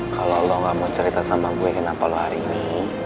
kalau allah gak mau cerita sama gue kenapa lo hari ini